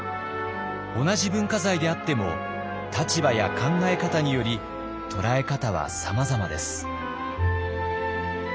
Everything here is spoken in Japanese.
同じ文化財であっても立場や考え方により捉え方はさまざまです。